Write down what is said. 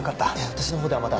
私の方ではまだ。